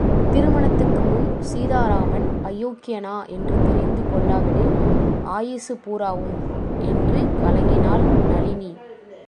திருமணத்துக்கு முன் சீதாராமன் அயோக்கியனா என்று தெரிந்து கொள்ளாவிடில் ஆயுசு பூராவும்...? என்று கலங்கினாள் நளினி.